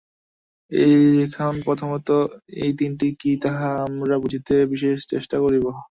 এখন প্রথমত এই তিনটি কি, তাহা আমরা বুঝিতে বিশেষ চেষ্টা করিব।